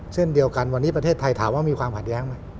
เช่นเดียวกันวันนี้ประเทศไทยถามว่ามีความขัดแย้งไหม